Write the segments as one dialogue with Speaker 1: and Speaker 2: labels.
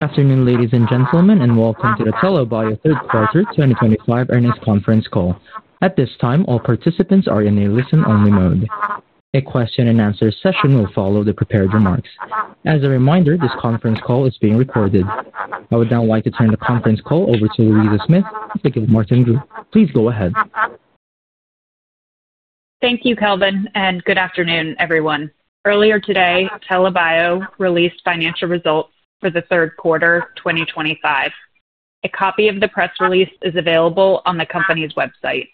Speaker 1: Good afternoon, ladies and gentlemen, and welcome to the TELA Bio third quarter 2025 earnings conference call. At this time, all participants are in a listen-only mode. A question-and-answer session will follow the prepared remarks. As a reminder, this conference call is being recorded. I would now like to turn the conference call over to Louisa Smith, to Gilmartin—please go ahead.
Speaker 2: Thank you, Kelvin, and good afternoon, everyone. Earlier today, TELA Bio released financial results for the third quarter 2025. A copy of the press release is available on the company's website.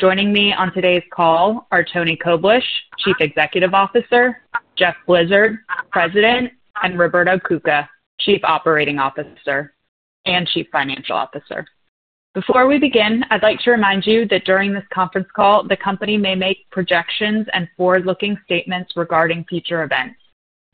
Speaker 2: Joining me on today's call are Tony Koblish, Chief Executive Officer; Jeff Blizard, President; and Roberto Cuca, Chief Operating Officer and Chief Financial Officer. Before we begin, I'd like to remind you that during this conference call, the company may make projections and forward-looking statements regarding future events.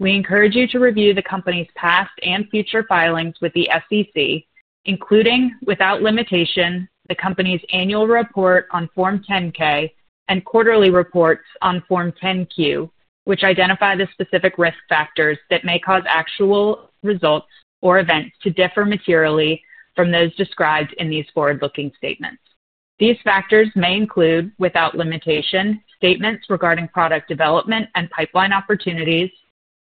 Speaker 2: We encourage you to review the company's past and future filings with the SEC, including, without limitation, the company's annual report on Form 10-K and quarterly reports on Form 10-Q, which identify the specific risk factors that may cause actual results or events to differ materially from those described in these forward-looking statements. These factors may include, without limitation, statements regarding product development and pipeline opportunities,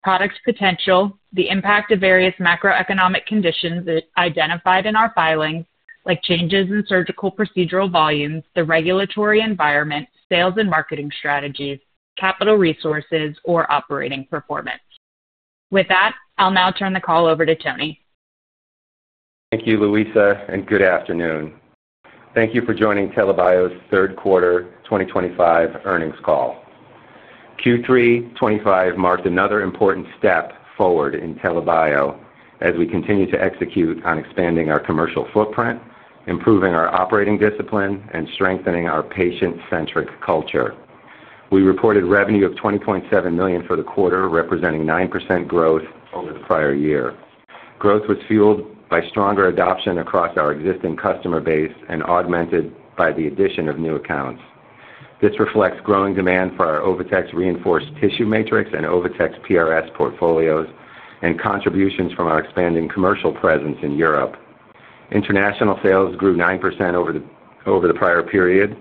Speaker 2: product potential, the impact of various macroeconomic conditions identified in our filings, like changes in surgical procedural volumes, the regulatory environment, sales and marketing strategies, capital resources, or operating performance. With that, I'll now turn the call over to Tony.
Speaker 3: Thank you, Louisa, and good afternoon. Thank you for joining TELA Bio's third quarter 2025 earnings call. Q3 2025 marked another important step forward in TELA Bio as we continue to execute on expanding our commercial footprint, improving our operating discipline, and strengthening our patient-centric culture. We reported revenue of $20.7 million for the quarter, representing 9% growth over the prior year. Growth was fueled by stronger adoption across our existing customer base and augmented by the addition of new accounts. This reflects growing demand for our OviTex reinforced tissue matrix and OviTex PRS portfolios and contributions from our expanding commercial presence in Europe. International sales grew 9% over the prior period,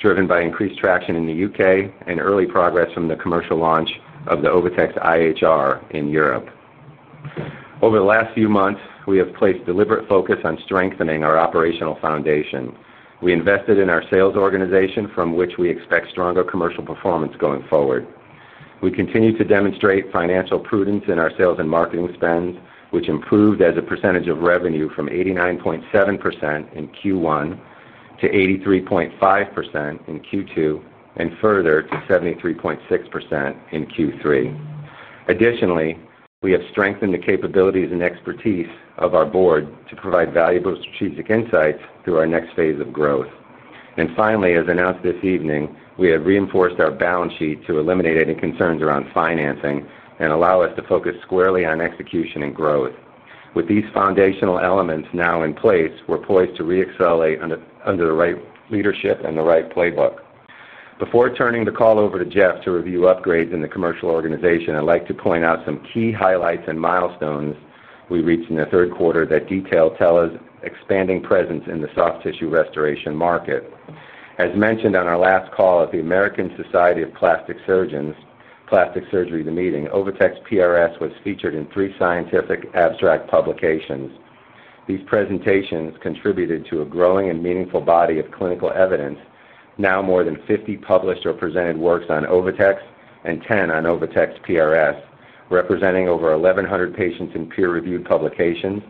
Speaker 3: driven by increased traction in the U.K. and early progress from the commercial launch of the OviTex IHR in Europe. Over the last few months, we have placed deliberate focus on strengthening our operational foundation. We invested in our sales organization, from which we expect stronger commercial performance going forward. We continue to demonstrate financial prudence in our sales and marketing spends, which improved as a percentage of revenue from 89.7% in Q1 to 83.5% in Q2 and further to 73.6% in Q3. Additionally, we have strengthened the capabilities and expertise of our board to provide valuable strategic insights through our next phase of growth. Finally, as announced this evening, we have reinforced our balance sheet to eliminate any concerns around financing and allow us to focus squarely on execution and growth. With these foundational elements now in place, we're poised to re-accelerate under the right leadership and the right playbook. Before turning the call over to Jeff to review upgrades in the commercial organization, I'd like to point out some key highlights and milestones we reached in the third quarter that detail TELA's expanding presence in the soft tissue restoration market. As mentioned on our last call at the American Society of Plastic Surgeons, Plastic Surgery the Meeting, OviTex PRS was featured in three scientific abstract publications. These presentations contributed to a growing and meaningful body of clinical evidence, now more than 50 published or presented works on OviTex and 10 on OviTex PRS, representing over 1,100 patients in peer-reviewed publications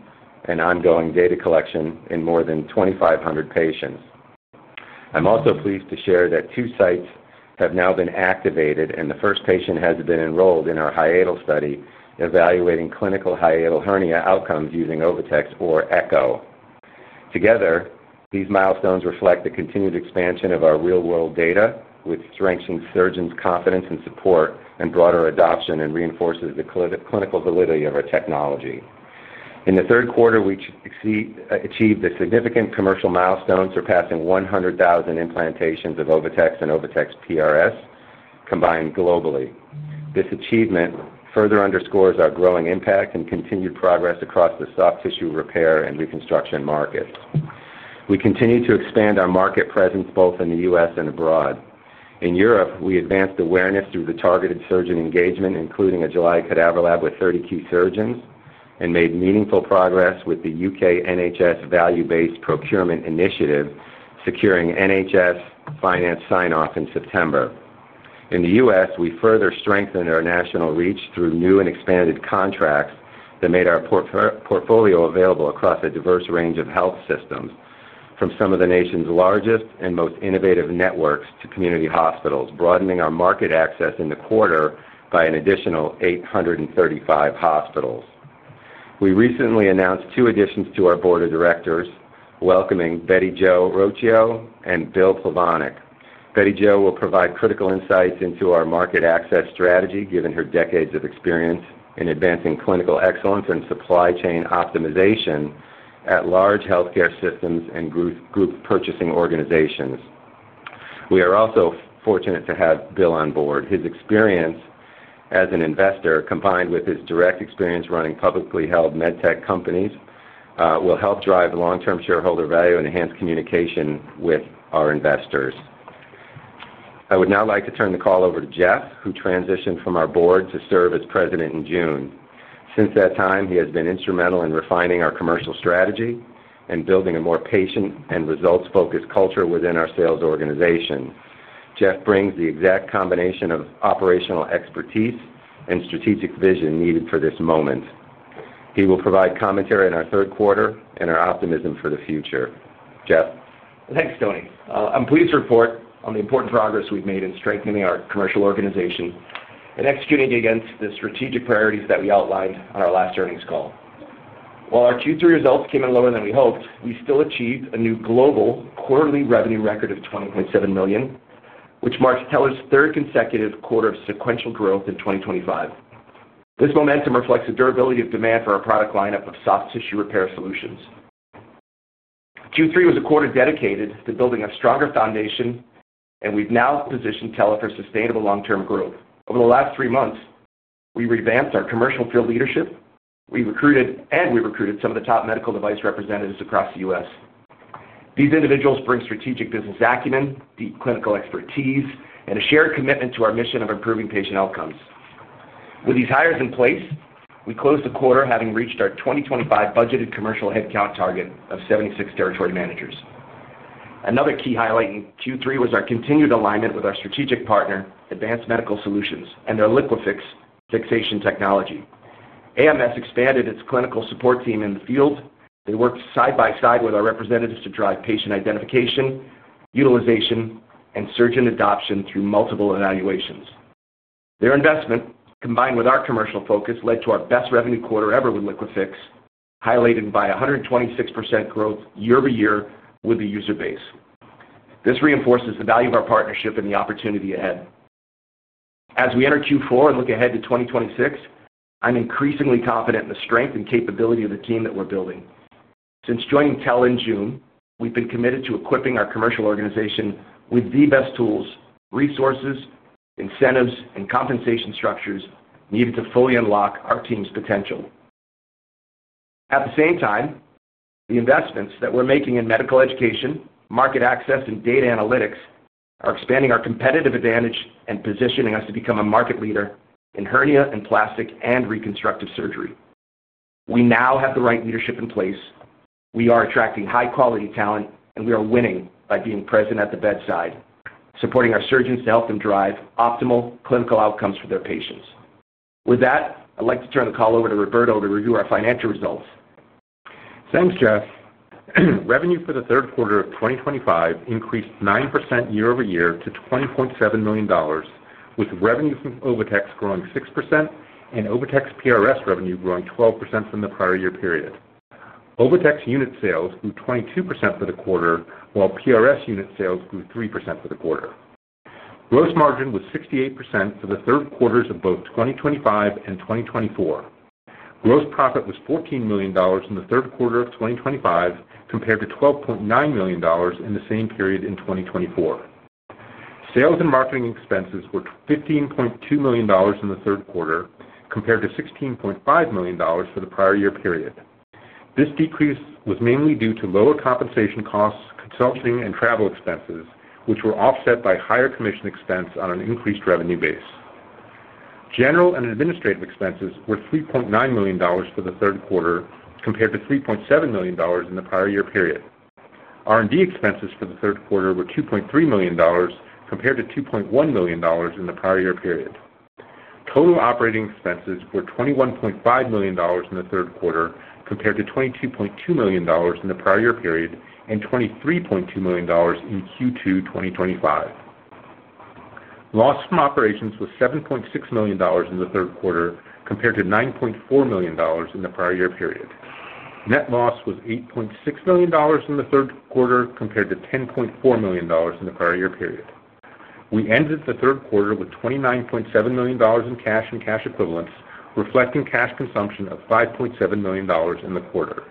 Speaker 3: and ongoing data collection in more than 2,500 patients. I'm also pleased to share that two sites have now been activated, and the first patient has been enrolled in our hiatal study evaluating clinical hiatal hernia outcomes using OviTex or ECHO. Together, these milestones reflect the continued expansion of our real-world data, which strengthens surgeons' confidence and support and broader adoption and reinforces the clinical validity of our technology. In the third quarter, we achieved a significant commercial milestone, surpassing 100,000 implantations of OviTex and OviTex PRS combined globally. This achievement further underscores our growing impact and continued progress across the soft tissue repair and reconstruction markets. We continue to expand our market presence both in the U.S. and abroad. In Europe, we advanced awareness through the targeted surgeon engagement, including a July cadaver lab with 30 key surgeons, and made meaningful progress with the U.K. NHS value-based procurement initiative, securing NHS finance sign-off in September. In the U.S., we further strengthened our national reach through new and expanded contracts that made our portfolio available across a diverse range of health systems, from some of the nation's largest and most innovative networks to community hospitals, broadening our market access in the quarter by an additional 835 hospitals. We recently announced two additions to our board of directors, welcoming Betty Jo Rocio and Bill Pavanik. Betty Jo will provide critical insights into our market access strategy, given her decades of experience in advancing clinical excellence and supply chain optimization at large healthcare systems and group purchasing organizations. We are also fortunate to have Bill on board. His experience as an investor, combined with his direct experience running publicly held med tech companies, will help drive long-term shareholder value and enhance communication with our investors. I would now like to turn the call over to Jeff, who transitioned from our board to serve as President in June. Since that time, he has been instrumental in refining our commercial strategy and building a more patient and results-focused culture within our sales organization. Jeff brings the exact combination of operational expertise and strategic vision needed for this moment. He will provide commentary on our third quarter and our optimism for the future. Jeff.
Speaker 4: Thanks, Tony. I'm pleased to report on the important progress we've made in strengthening our commercial organization and executing against the strategic priorities that we outlined on our last earnings call. While our Q3 results came in lower than we hoped, we still achieved a new global quarterly revenue record of $20.7 million, which marks TELA's third consecutive quarter of sequential growth in 2025. This momentum reflects the durability of demand for our product lineup of soft tissue repair solutions. Q3 was a quarter dedicated to building a stronger foundation, and we've now positioned TELA for sustainable long-term growth. Over the last three months, we revamped our commercial field leadership. We recruited, and we recruited some of the top medical device representatives across the U.S. These individuals bring strategic business acumen, deep clinical expertise, and a shared commitment to our mission of improving patient outcomes. With these hires in place, we closed the quarter, having reached our 2025 budgeted commercial headcount target of 76 territory managers. Another key highlight in Q3 was our continued alignment with our strategic partner, Advanced Medical Solutions, and their Liquifix fixation technology. AMS expanded its clinical support team in the field. They worked side by side with our representatives to drive patient identification, utilization, and surgeon adoption through multiple evaluations. Their investment, combined with our commercial focus, led to our best revenue quarter ever with Liquifix, highlighted by 126% growth year-over-year with the user base. This reinforces the value of our partnership and the opportunity ahead. As we enter Q4 and look ahead to 2026, I'm increasingly confident in the strength and capability of the team that we're building. Since joining TELA in June, we've been committed to equipping our commercial organization with the best tools, resources, incentives, and compensation structures needed to fully unlock our team's potential. At the same time, the investments that we're making in medical education, market access, and data analytics are expanding our competitive advantage and positioning us to become a market leader in hernia and plastic and reconstructive surgery. We now have the right leadership in place. We are attracting high-quality talent, and we are winning by being present at the bedside, supporting our surgeons to help them drive optimal clinical outcomes for their patients. With that, I'd like to turn the call over to Roberto to review our financial results.
Speaker 5: Thanks, Jeff. Revenue for the third quarter of 2025 increased 9% year-over-year to $20.7 million, with revenue from OviTex growing 6% and OviTex PRS revenue growing 12% from the prior year period. OviTex unit sales grew 22% for the quarter, while PRS unit sales grew 3% for the quarter. Gross margin was 68% for the third quarters of both 2025 and 2024. Gross profit was $14 million in the third quarter of 2025, compared to $12.9 million in the same period in 2024. Sales and marketing expenses were $15.2 million in the third quarter, compared to $16.5 million for the prior year period. This decrease was mainly due to lower compensation costs, consulting, and travel expenses, which were offset by higher commission expense on an increased revenue base. General and administrative expenses were $3.9 million for the third quarter, compared to $3.7 million in the prior year period. R&D expenses for the third quarter were $2.3 million, compared to $2.1 million in the prior year period. Total operating expenses were $21.5 million in the third quarter, compared to $22.2 million in the prior year period and $23.2 million in the second quarter of 2025. Loss from operations was $7.6 million in the third quarter, compared to $9.4 million in the prior year period. Net loss was $8.6 million in the third quarter, compared to $10.4 million in the prior year period. We ended the third quarter with $29.7 million in cash and cash equivalents, reflecting cash consumption of $5.7 million in the quarter.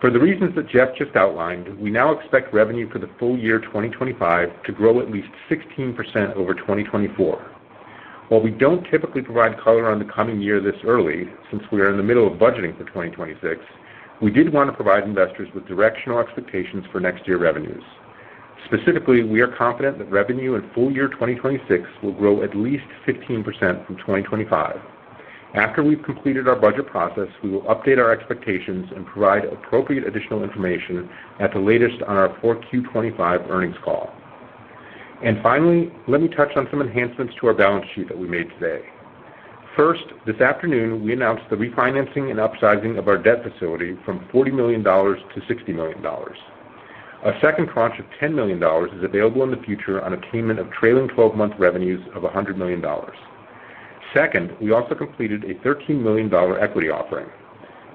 Speaker 5: For the reasons that Jeff just outlined, we now expect revenue for the full year 2025 to grow at least 16% over 2024. While we don't typically provide color on the coming year this early, since we are in the middle of budgeting for 2026, we did want to provide investors with directional expectations for next year revenues. Specifically, we are confident that revenue in full year 2026 will grow at least 15% from 2025. After we've completed our budget process, we will update our expectations and provide appropriate additional information at the latest on our 4Q25 earnings call. Finally, let me touch on some enhancements to our balance sheet that we made today. First, this afternoon, we announced the refinancing and upsizing of our debt facility from $40 million to $60 million. A second tranche of $10 million is available in the future on attainment of trailing 12-month revenues of $100 million. Second, we also completed a $13 million equity offering.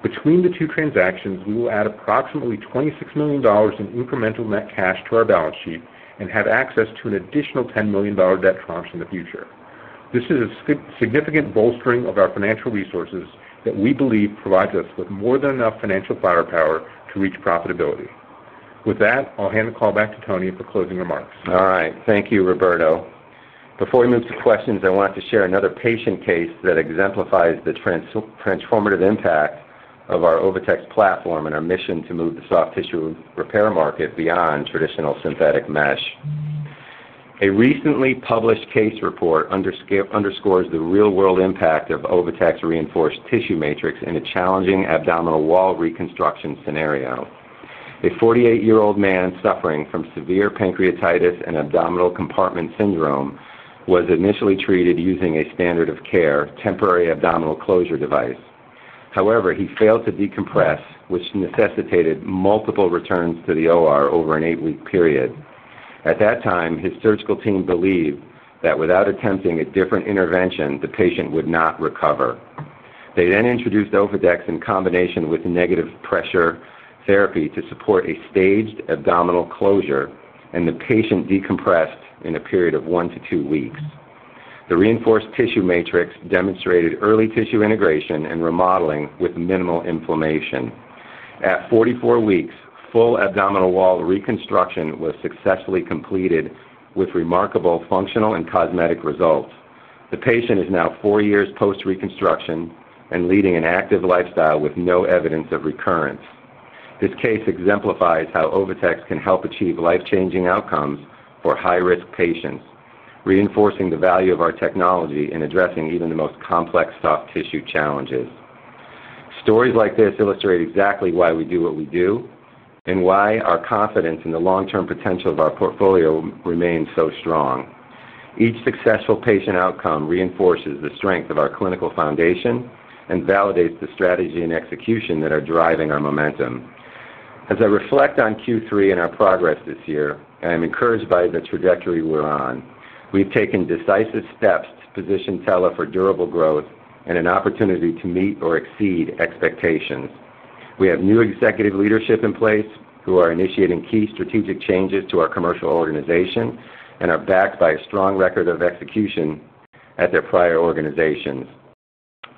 Speaker 5: Between the two transactions, we will add approximately $26 million in incremental net cash to our balance sheet and have access to an additional $10 million debt tranche in the future. This is a significant bolstering of our financial resources that we believe provides us with more than enough financial firepower to reach profitability. With that, I'll hand the call back to Tony for closing remarks.
Speaker 3: All right. Thank you, Roberto. Before we move to questions, I want to share another patient case that exemplifies the transformative impact of our Ovatex platform and our mission to move the soft tissue repair market beyond traditional synthetic mesh. A recently published case report underscores the real-world impact of Ovatex reinforced tissue matrix in a challenging abdominal wall reconstruction scenario. A 48-year-old man suffering from severe pancreatitis and abdominal compartment syndrome was initially treated using a standard of care, temporary abdominal closure device. However, he failed to decompress, which necessitated multiple returns to the OR over an eight-week period. At that time, his surgical team believed that without attempting a different intervention, the patient would not recover. They then introduced Ovatex in combination with negative pressure therapy to support a staged abdominal closure, and the patient decompressed in a period of one to two weeks. The reinforced tissue matrix demonstrated early tissue integration and remodeling with minimal inflammation. At 44 weeks, full abdominal wall reconstruction was successfully completed with remarkable functional and cosmetic results. The patient is now four years post-reconstruction and leading an active lifestyle with no evidence of recurrence. This case exemplifies how OviTex can help achieve life-changing outcomes for high-risk patients, reinforcing the value of our technology in addressing even the most complex soft tissue challenges. Stories like this illustrate exactly why we do what we do and why our confidence in the long-term potential of our portfolio remains so strong. Each successful patient outcome reinforces the strength of our clinical foundation and validates the strategy and execution that are driving our momentum. As I reflect on Q3 and our progress this year, I am encouraged by the trajectory we're on. We've taken decisive steps to position TELA Bio for durable growth and an opportunity to meet or exceed expectations. We have new executive leadership in place who are initiating key strategic changes to our commercial organization and are backed by a strong record of execution at their prior organizations.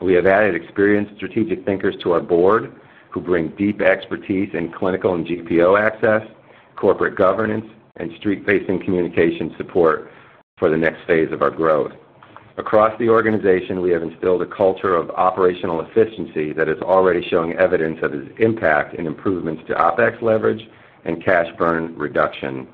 Speaker 3: We have added experienced strategic thinkers to our board who bring deep expertise in clinical and GPO access, corporate governance, and street-facing communication support for the next phase of our growth. Across the organization, we have instilled a culture of operational efficiency that is already showing evidence of its impact in improvements to OpEx leverage and cash burn reduction.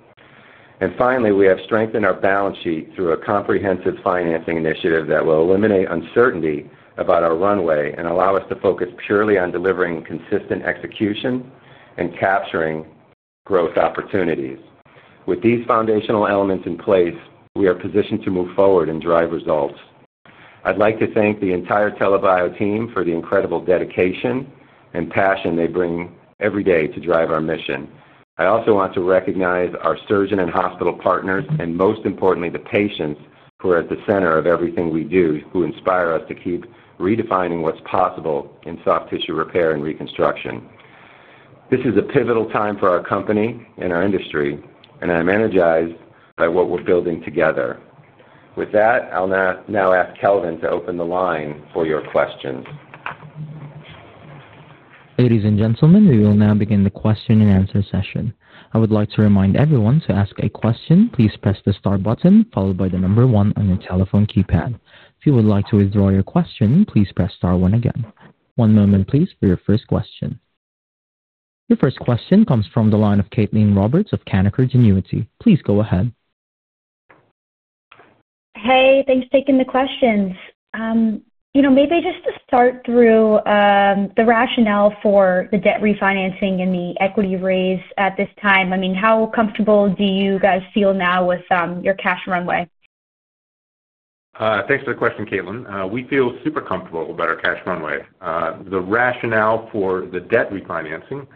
Speaker 3: Finally, we have strengthened our balance sheet through a comprehensive financing initiative that will eliminate uncertainty about our runway and allow us to focus purely on delivering consistent execution and capturing growth opportunities. With these foundational elements in place, we are positioned to move forward and drive results. I'd like to thank the entire TELA Bio team for the incredible dedication and passion they bring every day to drive our mission. I also want to recognize our surgeon and hospital partners, and most importantly, the patients who are at the center of everything we do, who inspire us to keep redefining what's possible in soft tissue repair and reconstruction. This is a pivotal time for our company and our industry, and I'm energized by what we're building together. With that, I'll now ask Kelvin to open the line for your questions.
Speaker 1: Ladies and gentlemen, we will now begin the question and answer session. I would like to remind everyone to ask a question. Please press the star button followed by the number one on your telephone keypad. If you would like to withdraw your question, please press star one again. One moment, please, for your first question. Your first question comes from the line of Caitlin Roberts of Canaccord Genuity. Please go ahead.
Speaker 6: Hey, thanks for taking the questions. Maybe just to start through the rationale for the debt refinancing and the equity raise at this time, I mean, how comfortable do you guys feel now with your cash runway?
Speaker 5: Thanks for the question, Caitlin. We feel super comfortable about our cash runway. The rationale for the debt refinancing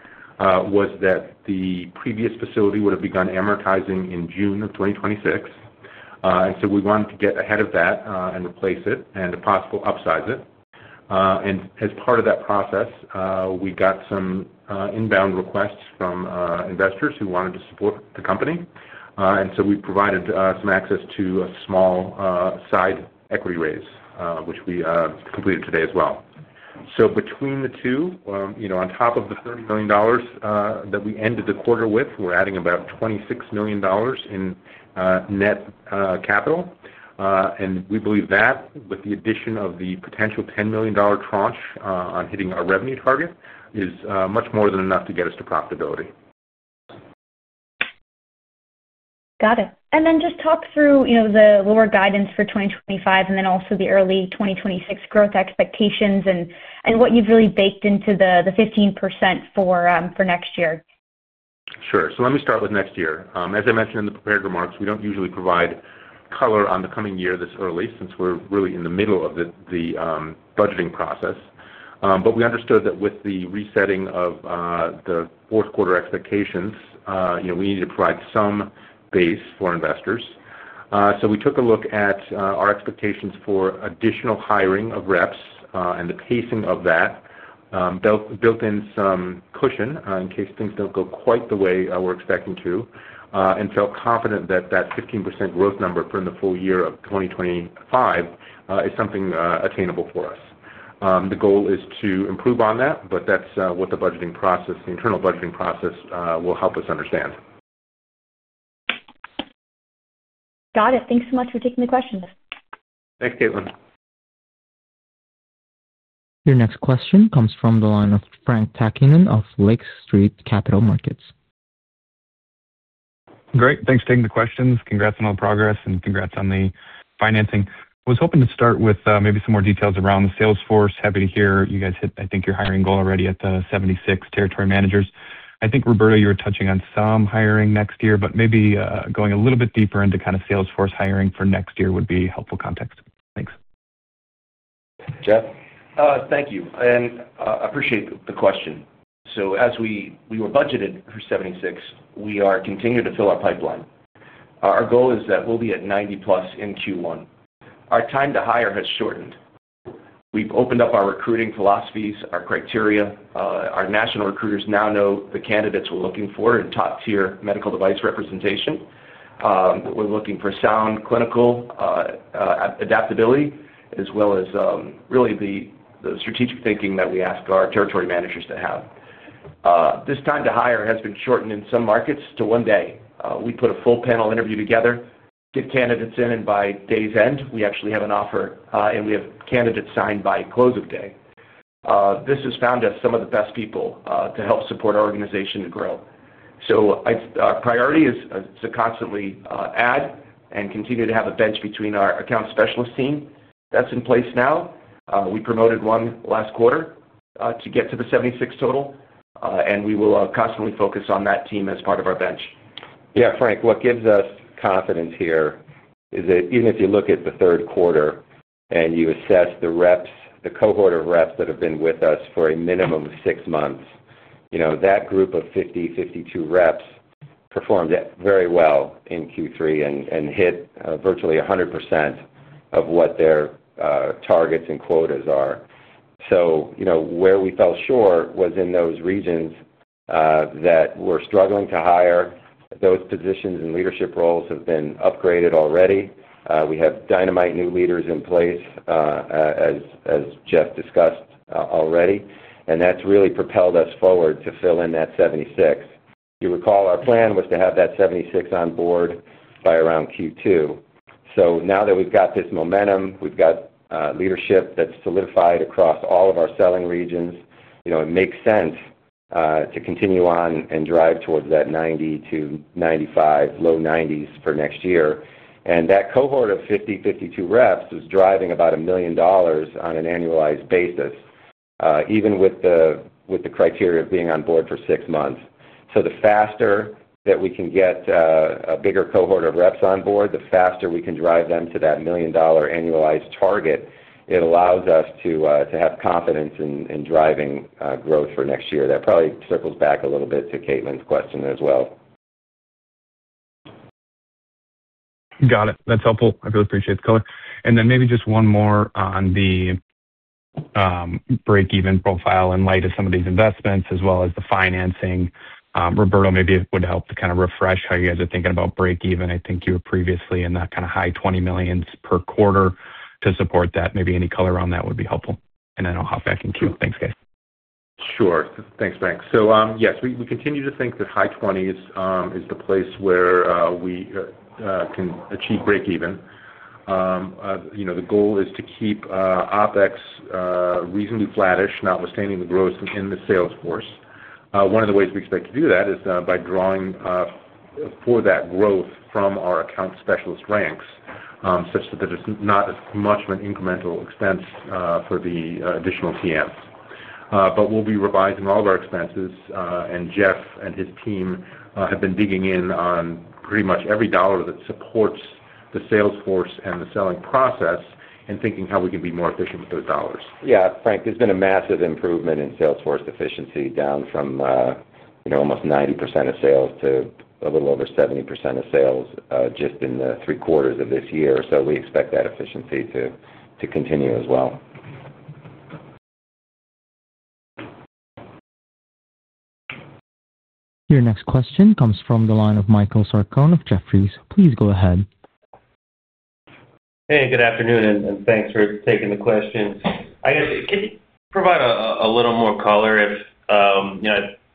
Speaker 5: was that the previous facility would have begun amortizing in June of 2026. We wanted to get ahead of that and replace it and possibly upsize it. As part of that process, we got some inbound requests from investors who wanted to support the company. We provided some access to a small side equity raise, which we completed today as well. Between the two, on top of the $30 million that we ended the quarter with, we're adding about $26 million in net capital. We believe that, with the addition of the potential $10 million tranche on hitting our revenue target, is much more than enough to get us to profitability.
Speaker 6: Got it. And then just talk through the lower guidance for 2025 and then also the early 2026 growth expectations and what you've really baked into the 15% for next year.
Speaker 5: Sure. Let me start with next year. As I mentioned in the prepared remarks, we do not usually provide color on the coming year this early since we are really in the middle of the budgeting process. We understood that with the resetting of the fourth quarter expectations, we needed to provide some base for investors. We took a look at our expectations for additional hiring of reps and the pacing of that, built in some cushion in case things do not go quite the way we are expecting to, and felt confident that that 15% growth number for the full year of 2025 is something attainable for us. The goal is to improve on that, but that is what the budgeting process, the internal budgeting process, will help us understand.
Speaker 6: Got it. Thanks so much for taking the questions.
Speaker 5: Thanks, Caitlin.
Speaker 1: Your next question comes from the line of Frank Takkinen of Lake Street Capital Markets.
Speaker 7: Great. Thanks for taking the questions. Congrats on all the progress and congrats on the financing. I was hoping to start with maybe some more details around the Salesforce. Happy to hear you guys hit, I think, your hiring goal already at the 76 territory managers. I think, Roberto, you were touching on some hiring next year, but maybe going a little bit deeper into kind of Salesforce hiring for next year would be helpful context. Thanks.
Speaker 3: Jeff?
Speaker 4: Thank you. I appreciate the question. As we were budgeted for 76, we are continuing to fill our pipeline. Our goal is that we'll be at 90-plus in Q1. Our time to hire has shortened. We've opened up our recruiting philosophies, our criteria. Our national recruiters now know the candidates we're looking for in top-tier medical device representation. We're looking for sound clinical adaptability, as well as really the strategic thinking that we ask our territory managers to have. This time to hire has been shortened in some markets to one day. We put a full panel interview together, get candidates in, and by day's end, we actually have an offer, and we have candidates signed by close of day. This has found us some of the best people to help support our organization to grow. Our priority is to constantly add and continue to have a bench between our account specialist team. That's in place now. We promoted one last quarter to get to the 76 total, and we will constantly focus on that team as part of our bench.
Speaker 3: Yeah, Frank, what gives us confidence here is that even if you look at the third quarter and you assess the cohort of reps that have been with us for a minimum of six months, that group of 50-52 reps performed very well in Q3 and hit virtually 100% of what their targets and quotas are. Where we fell short was in those regions that we're struggling to hire. Those positions and leadership roles have been upgraded already. We have dynamite new leaders in place, as Jeff discussed already, and that's really propelled us forward to fill in that 76. You recall our plan was to have that 76 on board by around Q2. Now that we've got this momentum, we've got leadership that's solidified across all of our selling regions, it makes sense to continue on and drive towards that 90-95, low 90s for next year. That cohort of 50-52 reps is driving about $1 million on an annualized basis, even with the criteria of being on board for six months. The faster that we can get a bigger cohort of reps on board, the faster we can drive them to that $1 million annualized target, it allows us to have confidence in driving growth for next year. That probably circles back a little bit to Caitlin's question as well.
Speaker 7: Got it. That's helpful. I really appreciate the color. Maybe just one more on the break-even profile in light of some of these investments, as well as the financing. Roberto, maybe it would help to kind of refresh how you guys are thinking about break-even. I think you were previously in that kind of high $20 million per quarter. To support that, maybe any color on that would be helpful. I'll hop back in Q. Thanks, guys.
Speaker 5: Sure. Thanks, Frank. Yes, we continue to think that high 20s is the place where we can achieve break-even. The goal is to keep OpEx reasonably flattish, notwithstanding the growth in the Salesforce. One of the ways we expect to do that is by drawing for that growth from our account specialist ranks, such that there's not as much of an incremental expense for the additional TM. We'll be revising all of our expenses, and Jeff and his team have been digging in on pretty much every dollar that supports the Salesforce and the selling process and thinking how we can be more efficient with those dollars.
Speaker 3: Yeah, Frank, there's been a massive improvement in Salesforce efficiency, down from almost 90% of sales to a little over 70% of sales just in the three quarters of this year. We expect that efficiency to continue as well.
Speaker 1: Your next question comes from the line of Michael Sarcone of Jefferies. Please go ahead.
Speaker 8: Hey, good afternoon, and thanks for taking the question. I guess, can you provide a little more color?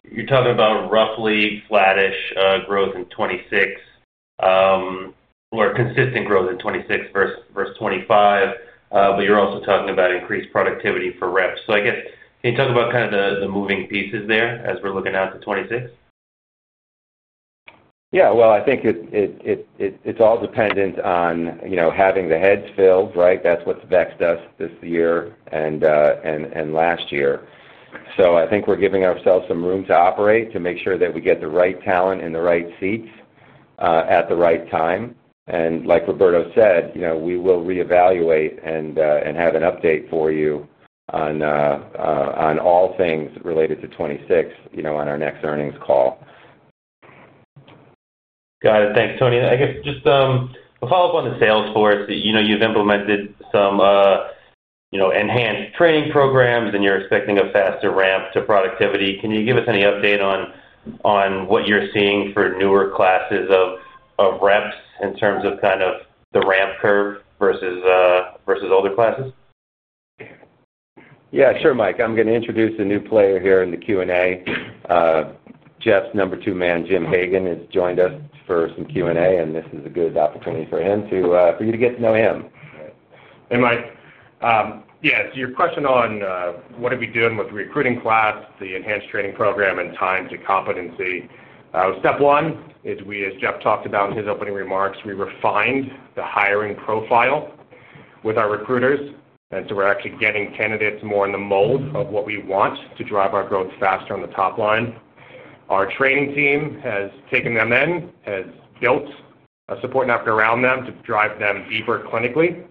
Speaker 8: You're talking about roughly flattish growth in 2026 or consistent growth in 2026 versus 2025, but you're also talking about increased productivity for reps. I guess, can you talk about kind of the moving pieces there as we're looking out to 2026?
Speaker 3: Yeah. I think it's all dependent on having the heads filled, right? That's what OviTex does this year and last year. I think we're giving ourselves some room to operate to make sure that we get the right talent in the right seats at the right time. Like Roberto said, we will reevaluate and have an update for you on all things related to 2026 on our next earnings call.
Speaker 8: Got it. Thanks, Tony. I guess just a follow-up on the Salesforce. You've implemented some enhanced training programs, and you're expecting a faster ramp to productivity. Can you give us any update on what you're seeing for newer classes of reps in terms of kind of the ramp curve versus older classes?
Speaker 3: Yeah, sure, Mike. I'm going to introduce a new player here in the Q&A. Jeff's number two man, Jim Hagan, has joined us for some Q&A, and this is a good opportunity for you to get to know him.
Speaker 4: Hey, Mike. Yeah, so your question on what are we doing with the recruiting class, the enhanced training program, and time to competency. Step one is, as Jeff talked about in his opening remarks, we refined the hiring profile with our recruiters. We're actually getting candidates more in the mold of what we want to drive our growth faster on the top line. Our training team has taken them in, has built a support network around them to drive them deeper clinically.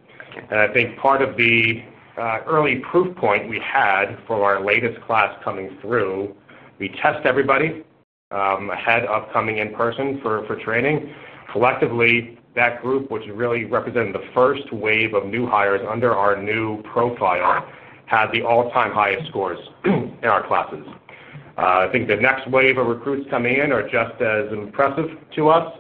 Speaker 4: I think part of the early proof point we had for our latest class coming through, we test everybody ahead of coming in person for training. Collectively, that group, which really represented the first wave of new hires under our new profile, had the all-time highest scores in our classes. I think the next wave of recruits coming in are just as impressive to us.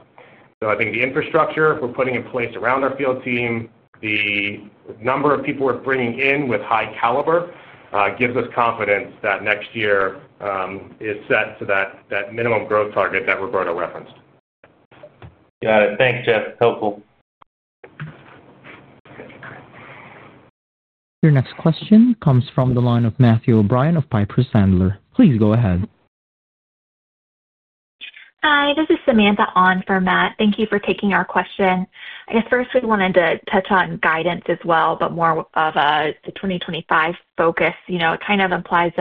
Speaker 4: I think the infrastructure we're putting in place around our field team, the number of people we're bringing in with high caliber gives us confidence that next year is set to that minimum growth target that Roberto referenced.
Speaker 8: Got it. Thanks, Jeff. Helpful.
Speaker 1: Your next question comes from the line of Matthew O'Brien with Piper Sandler. Please go ahead.
Speaker 9: Hi, this is Samantha Ahn for Matt. Thank you for taking our question. I guess first we wanted to touch on guidance as well, but more of the 2025 focus. It kind of implies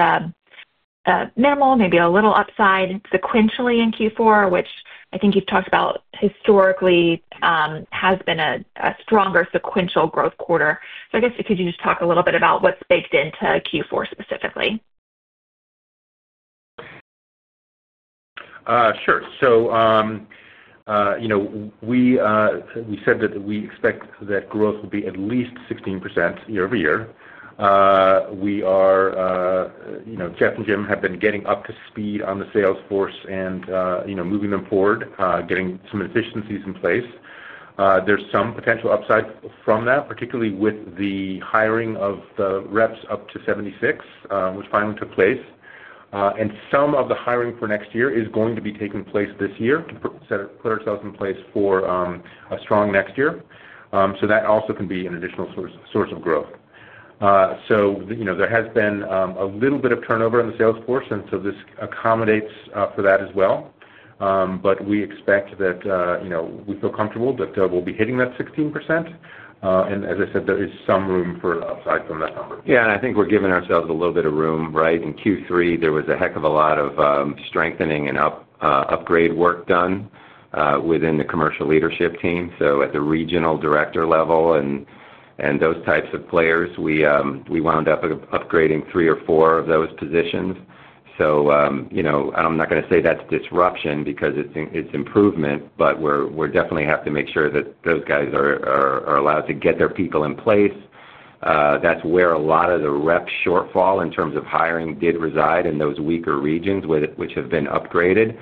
Speaker 9: minimal, maybe a little upside sequentially in Q4, which I think you've talked about historically has been a stronger sequential growth quarter. I guess, could you just talk a little bit about what's baked into Q4 specifically?
Speaker 5: Sure. So we said that we expect that growth will be at least 16% year over year. Jeff and Jim have been getting up to speed on the Salesforce and moving them forward, getting some efficiencies in place. There is some potential upside from that, particularly with the hiring of the reps up to 76, which finally took place. And some of the hiring for next year is going to be taking place this year to put ourselves in place for a strong next year. That also can be an additional source of growth. There has been a little bit of turnover in the Salesforce, and this accommodates for that as well. We expect that we feel comfortable that we'll be hitting that 16%. As I said, there is some room for upside from that number.
Speaker 3: Yeah. I think we're giving ourselves a little bit of room, right? In Q3, there was a heck of a lot of strengthening and upgrade work done within the commercial leadership team. At the regional director level and those types of players, we wound up upgrading three or four of those positions. I'm not going to say that's disruption because it's improvement, but we definitely have to make sure that those guys are allowed to get their people in place. That's where a lot of the reps' shortfall in terms of hiring did reside, in those weaker regions, which have been upgraded.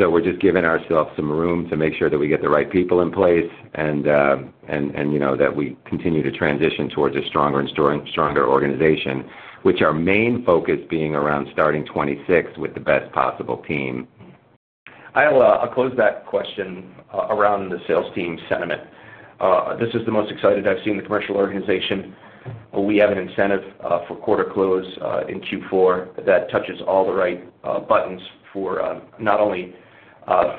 Speaker 3: We're just giving ourselves some room to make sure that we get the right people in place and that we continue to transition towards a stronger and stronger organization, with our main focus being around starting 2026 with the best possible team.
Speaker 5: I'll close that question around the sales team sentiment. This is the most excited I've seen the commercial organization. We have an incentive for quarter close in Q4 that touches all the right buttons not only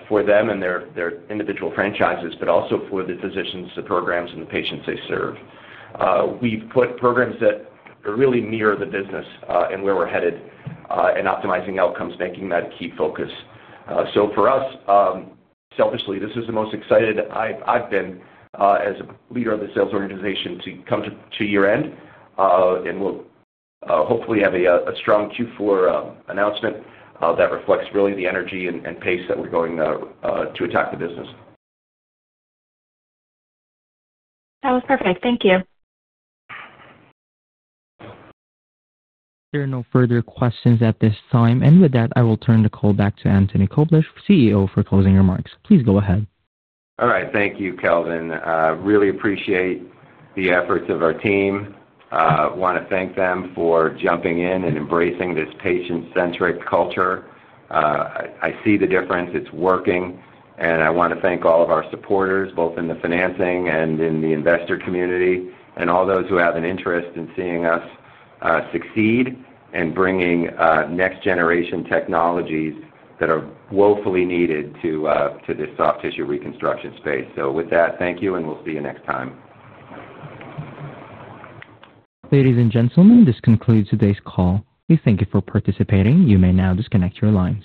Speaker 5: for them and their individual franchises, but also for the physicians, the programs, and the patients they serve. We've put programs that really mirror the business and where we're headed and optimizing outcomes, making that a key focus. For us, selfishly, this is the most excited I've been as a leader of the sales organization to come to year-end, and we'll hopefully have a strong Q4 announcement that reflects really the energy and pace that we're going to attack the business.
Speaker 9: That was perfect. Thank you.
Speaker 1: There are no further questions at this time. With that, I will turn the call back to Antony Koblish, CEO, for closing remarks. Please go ahead.
Speaker 3: All right. Thank you, Kelvin. Really appreciate the efforts of our team. I want to thank them for jumping in and embracing this patient-centric culture. I see the difference. It's working. I want to thank all of our supporters, both in the financing and in the investor community, and all those who have an interest in seeing us succeed and bringing next-generation technologies that are woefully needed to this soft tissue reconstruction space. Thank you, and we'll see you next time.
Speaker 1: Ladies and gentlemen, this concludes today's call. We thank you for participating. You may now disconnect your lines.